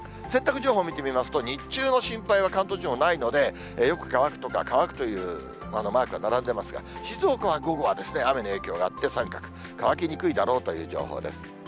洗濯情報見てみますと、日中の心配は、関東地方、ないので、よく乾くとか、乾くというマークが並んでますが、静岡は午後は雨の影響があって三角、乾きにくいだろうという情報です。